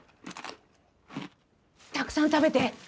たくさん食べて。